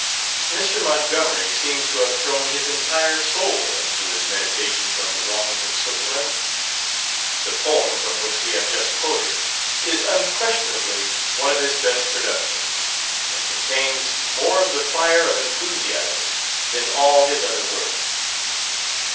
Mr. Montgomery seems to have thrown his entire soul into his meditations on the wrongs of Switzerland. The poem from which we have just quoted, is unquestionably one of his best productions, and contains more of the fire of enthusiasm than all his other works.